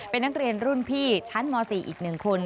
เป็นนักเรียนรุ่นพี่ชั้นม๔อีก๑คน